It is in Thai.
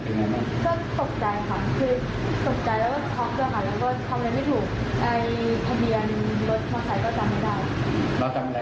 แล้วก็เขาเรียนไม่ถูกไอพะเบียนรถมาใช้ก็จำไม่ได้